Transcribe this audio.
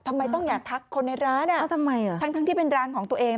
ทำไมต้องอย่าทักคนในร้านทั้งที่เป็นร้านของตัวเอง